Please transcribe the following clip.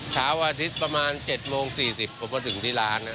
เช้าอาทิตย์ประมาณ๗โมง๔๐ผมมาถึงที่ร้านแล้ว